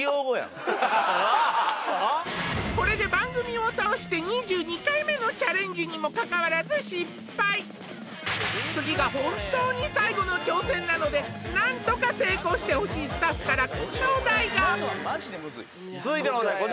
これで番組を通して２２回目のチャレンジにもかかわらず失敗次が本当に最後の挑戦なので何とか成功してほしいスタッフからこんなお題が続いてのお題